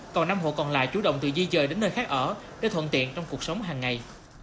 còn năm hộ còn lại chủ động từ di dời đến nơi khác ở để thuận tiện trong cuộc sống hàng ngày